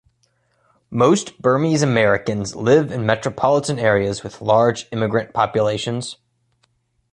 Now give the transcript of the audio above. Most Burmese Americans live in metropolitan areas with large immigrant populations.